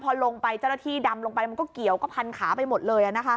พอลงไปเจ้าหน้าที่ดำลงไปมันก็เกี่ยวก็พันขาไปหมดเลย